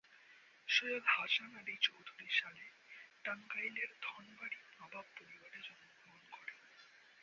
সৈয়দ হাসান আলী চৌধুরী সালে টাঙ্গাইলের ধনবাড়ী নবাব পরিবারে জন্মগ্রহণ করেন।